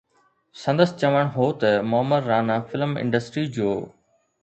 سندس چوڻ هو ته معمر رانا فلم انڊسٽري جو